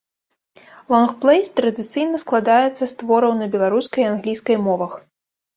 Лонгплэй традыцыйна складаецца з твораў на беларускай і англійскай мовах.